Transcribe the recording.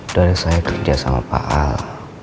dari saya kerja sama pak al